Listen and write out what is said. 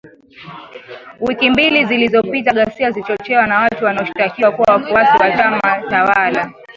Wiki mbili zilizopita ghasia zilichochewa na watu wanaoshtakiwa kuwa wafuasi wa chama tawala